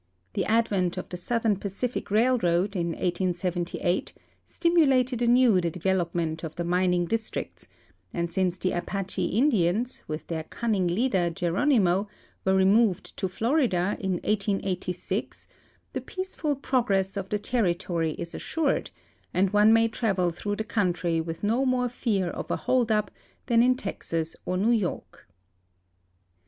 The advent of the Southern Pacific railroad in 1878 stimulated anew the development of tbe mining districts, and since the Apache Indians, with their cunning leader, GercMiimo, were removed to Florida in 1886 the peaceful progress of the territory is a.ssured, and one may travel through the coun try with no more fear of a hold up than in Texas or New York.